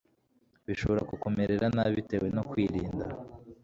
bishobora kukumerera nabi bitewe no kwirinda